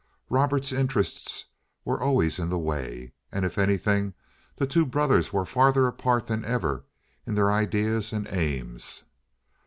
Robert's interests were always in the way, and, if anything, the two brothers were farther apart than ever in their ideas and aims.